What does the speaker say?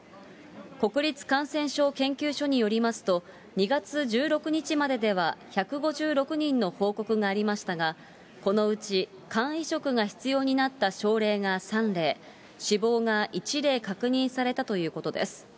国立感染症研究所によりますと、２月１６日まででは１５６人の報告がありましたが、このうち肝移植が必要になった症例が３例、死亡が１例確認されたということです。